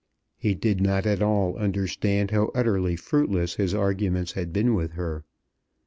He did not at all understand how utterly fruitless his arguments had been with her.